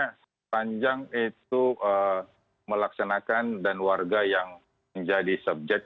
karena sepanjang itu melaksanakan dan warga yang menjadi subjek